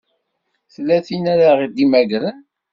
Tella tin ara ɣ-d-imagren?